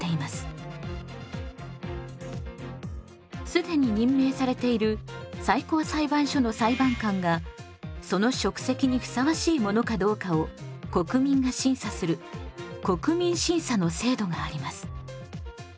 既に任命されている最高裁判所の裁判官がその職責にふさわしい者かどうかを国民が審査する国民審査の制度があります。